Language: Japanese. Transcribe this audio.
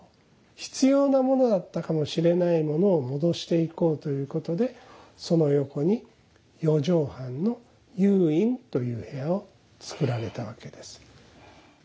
必要なものだったかもしれないものを戻していこうということでその横に四畳半の又隠という部屋を作られたわけです。